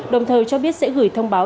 đồng thời cho biết sẽ gửi thông báo